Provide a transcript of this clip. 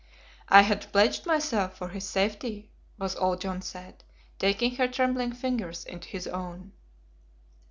"I had pledged myself for his safety," was all John said, taking her trembling fingers into his own.